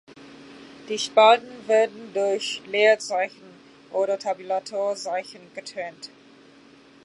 Die Spalten werden durch Leerzeichen oder Tabulatorzeichen getrennt.